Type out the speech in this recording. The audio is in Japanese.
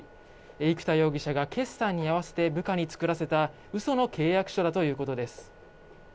生田容疑者が決算に合わせて部下に作らせた嘘の契約書だということです。